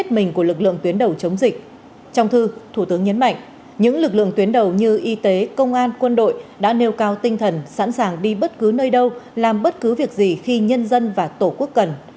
trong thư thủ tướng nhấn mạnh những lực lượng tuyến đầu như y tế công an quân đội đã nêu cao tinh thần sẵn sàng đi bất cứ nơi đâu làm bất cứ việc gì khi nhân dân và tổ quốc cần